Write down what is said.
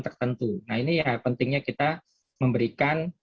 tertentu nah ini ya pentingnya kita memberikan